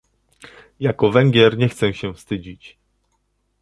Jako Węgier nie chcę się wstydzić